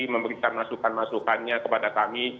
memberikan masukan masukannya kepada kami